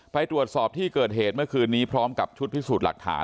ไปตรวจสอบที่เกิดเหตุเมื่อคืนนี้พร้อมกับชุดพิสูจน์หลักฐาน